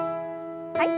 はい。